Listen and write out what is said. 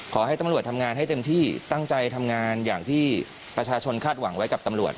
ขอให้ตำรวจทำงานให้เต็มที่ตั้งใจทำงานอย่างที่ประชาชนคาดหวังไว้กับตำรวจ